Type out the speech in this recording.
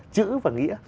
chữ và nghĩa